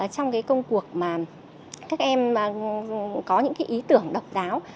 trong công cuộc mà các em có những ý tưởng độc đáo